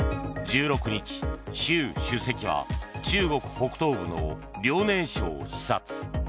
１６日、習主席は中国北東部の遼寧省を視察。